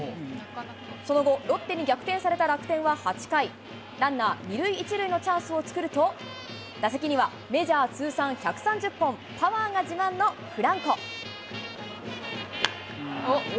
その後、ロッテに逆転された楽天は８回、ランナー２塁１塁のチャンスを作ると、打席にはメジャー通算１３０本、パワーが自慢のフランコ。